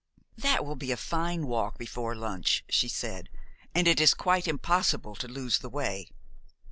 "That will be a fine walk before lunch," she said, "and it is quite impossible to lose the way."